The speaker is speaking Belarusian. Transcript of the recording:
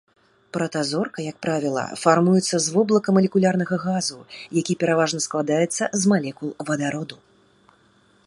Пратазорка, як правіла, фармуецца з воблака малекулярнага газу, які пераважна складаецца з малекул вадароду.